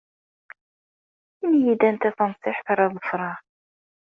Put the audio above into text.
Ini-iyi-d anta tanṣiḥt ara ḍefreɣ.